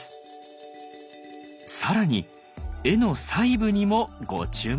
更に絵の細部にもご注目。